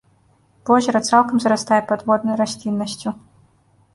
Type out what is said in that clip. Возера цалкам зарастае падводнай расліннасцю.